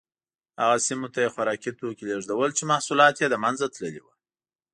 هغه سیمو ته یې خوراکي توکي لېږدول چې محصولات یې له منځه تللي وو